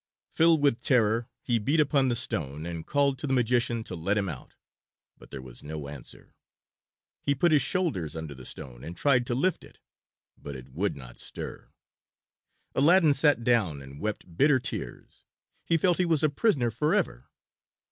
Filled with terror, he beat upon the stone, and called to the magician to let him out. But there was no answer. He put his shoulders under the stone and tried to lift it, but it would not stir. Aladdin sat down and wept bitter tears. He felt he was a prisoner forever.